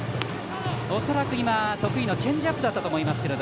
恐らく今、得意のチェンジアップだったと思います。